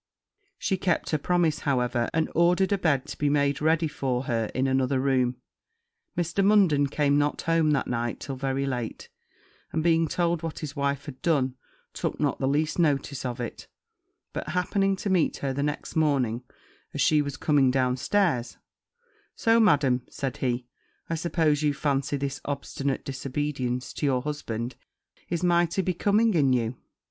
She kept her promise, however, and ordered a bed to be made ready for her in another room. Mr. Munden came not home that night till very late; and being told what his wife had done, took not the least notice of it; but happening to meet her the next morning, as she was coming down stairs, 'So, Madam,' said he, 'I suppose you fancy this obstinate disobedience to your husband is mighty becoming in you!'